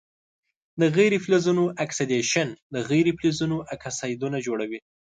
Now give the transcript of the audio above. د غیر فلزونو اکسیدیشن د غیر فلزونو اکسایدونه جوړوي.